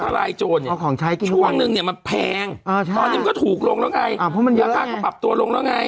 ลายโจรเนี่ยช่วงนึงเนี่ยมันแพงตอนนี้มันก็ถูกลงแล้วไงเพราะมันราคาก็ปรับตัวลงแล้วไง